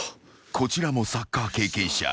［こちらもサッカー経験者。